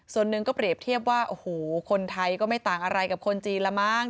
ส่วนหนึ่งก็เปรียบเทียบว่าโอ้โหคนไทยก็ไม่ต่างอะไรกับคนจีนละมั้ง